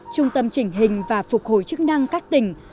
trung tâm chỉnh hình và phục hồi chức năng các tỉnh